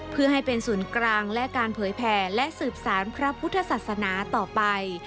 เพื่อให้เป็นศูนย์กลางและการเผยแผ่และสืบสารพระพุทธศาสนาต่อไป